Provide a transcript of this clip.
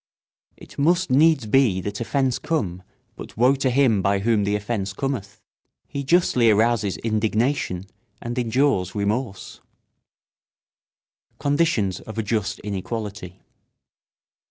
It must needs be that offence come, but woe to him by whom the offence cometh. He justly arouses indignation and endures remorse. [Sidenote: Conditions of a just inequality.